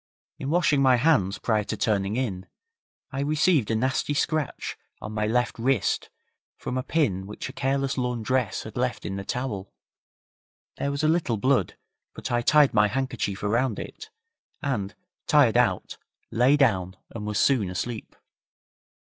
In washing my hands prior to turning in, I received a nasty scratch on my left wrist from a pin which a careless laundress had left in the towel. There was a little blood, but I tied my handkerchief around it, and, tired out, lay down and was soon asleep.